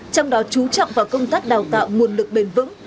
trong đó chú trọng vào công tác đào tạo nguồn lực bền vững